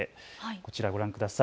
こちらご覧ください。